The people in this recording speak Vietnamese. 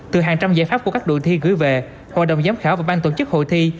từ hàng trăm giải pháp của các đội thi gửi về hội đồng giám khảo và ban tổ chức hội thi